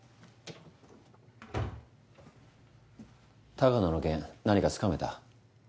鷹野の件何かつかめた？